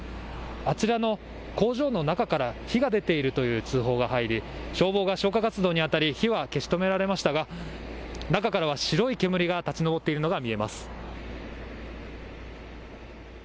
あちらの工場の中から火が出ているという通報が入り消防が消火活動にあたり火は消し止められましたが中からは白い煙が立ち上っているのが見えます。